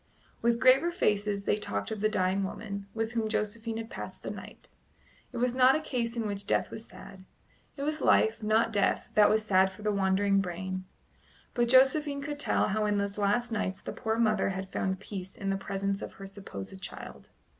With graver faces they talked of the dying woman, with whom Josephine had passed the night. It was not a case in which death was sad; it was life, not death, that was sad for the wandering brain. But Josephine could tell how in those last nights the poor mother had found peace in the presence of her supposed child.